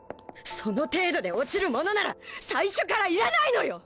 その程度で落ちるものなら最初からいらないのよ！